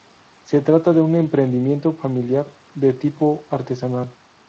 Se trata de un emprendimiento familiar de tipo artesanal.